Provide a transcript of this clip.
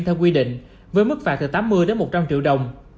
theo quy định với mức phạt từ tám mươi đến một trăm linh triệu đồng